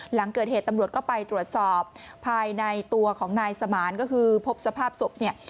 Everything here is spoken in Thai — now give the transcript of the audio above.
หลังเกิดเหตุตำรวจก็ไปตรวจสอบภายในตัวของนายสมานก็คือพบสภาพศพเนี่ย